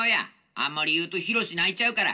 あんまり言うとひろし泣いちゃうから。